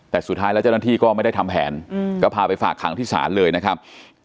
แต่สุดท้ายแล้วเจ้าหน้าที่ก็ไม่ได้ทำแผนก็พาไปฝากขังที่ศาลเลยนะครับ